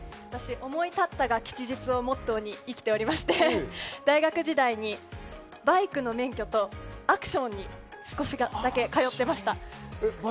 思い立ったら吉日をモットーに生きておりまして、大学時代にバイクの免許とアクションに少しだけ通っていました。